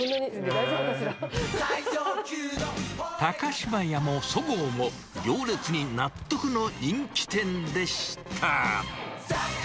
大丈夫か高島屋もそごうも、行列に納得の人気店でした。